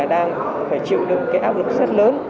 đang phải chịu được áp lực rất lớn